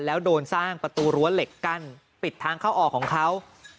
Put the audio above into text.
แล้วโดนสร้างประตูรั้วเหล็กกั้นปิดทางเข้าออกของเขา